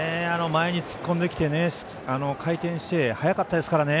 前に突っ込んできて回転して速かったですからね。